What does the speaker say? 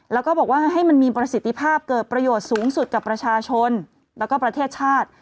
แล้วก็บอกว่าให้มันมีประสิทธิภาพเกิดประโยชน์สูงสุดกับประชาชนแล้วก็ประเทศชาติ